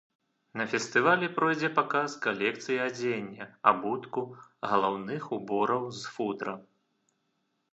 На фестывалі пройдзе паказ калекцый адзення, абутку, галаўных убораў з футра.